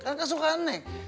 kan kesukaan neng